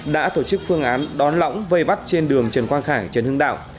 đã tổ chức phương án đón lõng vây bắt trên đường trần quang khải trần hưng đạo